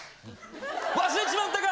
忘れちまったか！